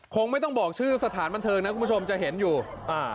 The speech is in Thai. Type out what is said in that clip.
คงไม่ต้องบอกชื่อสถานบันเทิงนะคุณผู้ชมจะเห็นอยู่อ่า